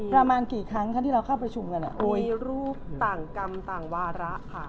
ประมาณกี่ครั้งคะที่เราเข้าประชุมกันมีรูปต่างกรรมต่างวาระค่ะ